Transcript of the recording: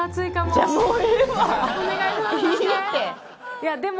いやでも。